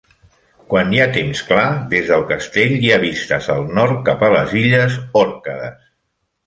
Quan hi ha temps clar, des del castell hi ha vistes al nord cap a les Illes Òrcades.